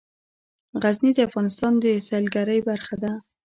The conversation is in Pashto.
غزني د افغانستان د سیلګرۍ برخه ده.